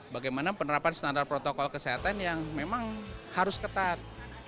bagaimana penerapan standar protokol kesehatan yang memang harus ketat